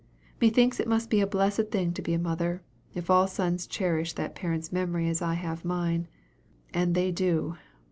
Methinks it must be a blessed thing to be a mother, if all sons cherish that parent's memory as I have mine and they do.